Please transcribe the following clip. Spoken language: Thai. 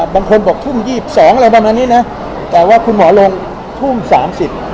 บางคนบอกทุ่มยี่สิบสองอะไรประมาณนี้นะแต่ว่าคุณหมอลงทุ่มสามสิบ